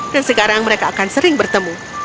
dan sekarang mereka akan sering bertemu